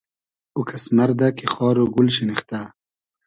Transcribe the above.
او کئس مئردۂ کی خار و گول شینیختۂ